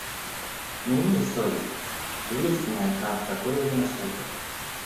Ну имей совесть! Вылезти на экран в такое время суток...